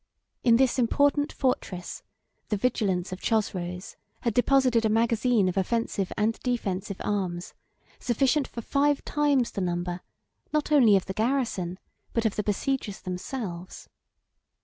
In this important fortress, the vigilance of Chosroes had deposited a magazine of offensive and defensive arms, sufficient for five times the number, not only of the garrison, but of the besiegers themselves.